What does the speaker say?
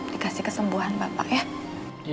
dikasih kesembuhan bapak ya